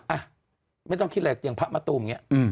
อ่ะไม่ต้องคิดอะไรอย่างพระมะตูมอย่างนี้